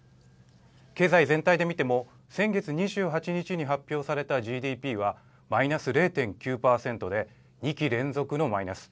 経済全体で見ても先月２８日に発表されたＧＤＰはマイナス０．９％で２期連続のマイナス。